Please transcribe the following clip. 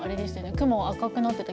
雲赤くなってた。